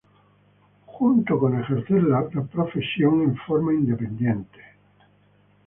Junto con ejercer su profesión en forma independiente.